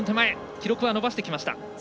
記録は伸ばしてきました。